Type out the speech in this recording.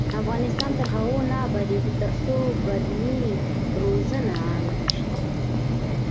افغانستان تر هغو نه ابادیږي، ترڅو بدني روزنه عامه نشي.